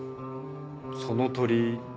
その鳥。